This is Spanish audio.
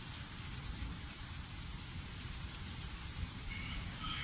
El Capitán tendrá que tomar una decisión definitiva.